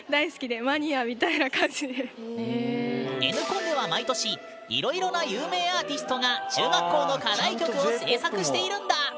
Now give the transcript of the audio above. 「Ｎコン」では毎年いろいろな有名アーティストが中学校の課題曲を制作しているんだ！